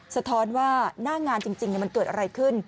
สะท้อนว่าหน้างานจริงมันเกิดอะไรขึ้น